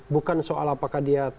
bukan soal apakah dia